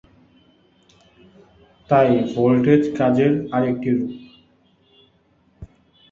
তাই ভোল্টেজ কাজের আরেকটি রূপ।